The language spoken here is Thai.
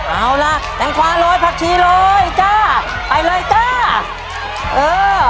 เอาล่ะแตงกวาโรยผักชีโรยจ้าไปเลยจ้าเออ